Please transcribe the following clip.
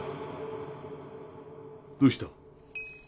どうした？